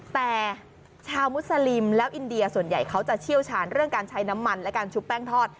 แต่ชาวมุสลิมแล้วอินเดียส่วนใหญ่เขาจะเชี่ยวชาญเรื่องการใช้น้ำมันและการชุบแป้งทอด